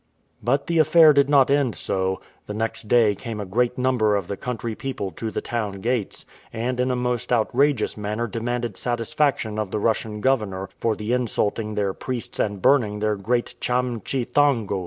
But the affair did not end so; the next day came a great number of the country people to the town gates, and in a most outrageous manner demanded satisfaction of the Russian governor for the insulting their priests and burning their great Cham Chi Thaungu.